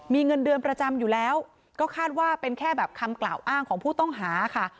มีเงินเดือนประจำอยู่แล้วก็คาดว่าเป็นแค่แบบคำกล่าวอ้างของผู้ต้องหาค่ะ